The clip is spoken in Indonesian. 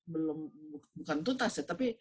bukan tuntas ya